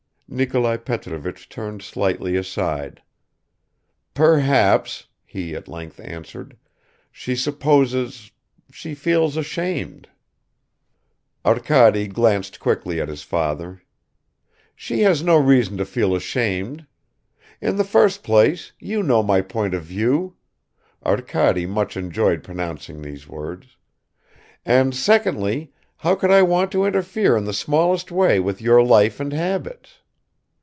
Nikolai Petrovich turned slightly aside. "Perhaps," he at length answered, "she supposes ... she feels ashamed." Arkady glanced quickly at his father. "She has no reason to feel ashamed. In the first place, you know my point of view," (Arkady much enjoyed pronouncing these words) "and secondly, how could I want to interfere in the smallest way with your life and habits?